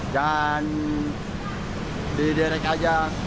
jangan diderek aja